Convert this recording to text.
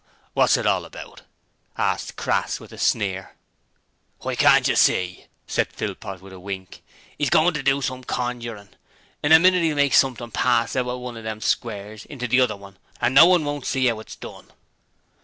'Wot's it all about?' asked Crass with a sneer. 'Why, can't you see?' said Philpot with a wink. ''E's goin' to do some conjurin'! In a minit 'e'll make something pass out o' one o' them squares into the other and no one won't see 'ow it's done.'